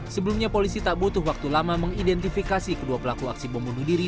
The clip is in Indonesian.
sebelumnya polisi tak butuh waktu lama mengidentifikasi kedua pelaku aksi bom bunuh diri